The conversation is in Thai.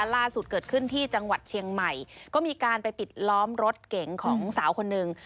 ล่าสุดเกิดขึ้นที่จังหวัดเชียงใหม่ก็มีการไปปิดล้อมรถเก๋งของสาวคนหนึ่ง